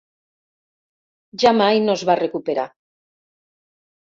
Ja mai no es va recuperar.